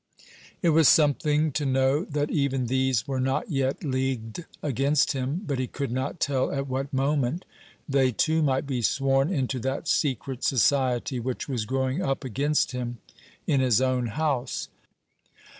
It was something to know that even these were not yet leagued against him; but he could not tell at what moment they too might be sworn into that secret society which was growing up against him in his own house.